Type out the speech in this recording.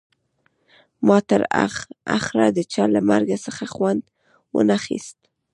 ما تر اخره د چا له مرګ څخه خوند ونه خیست